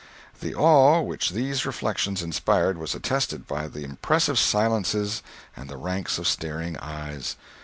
The awe which these reflections inspired was attested by the impressive silence and the ranks of staring eyes.